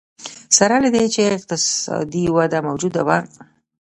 سره له دې چې اقتصادي وده موجوده وه.